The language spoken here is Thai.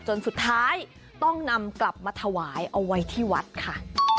จนสุดท้ายต้องนำกลับมาถวายเอาไว้ที่วัดค่ะ